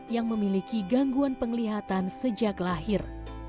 yang memiliki gangguan penglihatan sejak lahir